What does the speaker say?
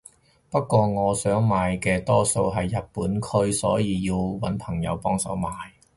不過我想買嘅多數係日本區所以要搵朋友幫手買